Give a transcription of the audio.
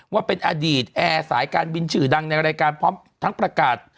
ว่าเป็นอดีตแอร์สายการบินชื่อดังในรายการพร้อมทั้งประกาศ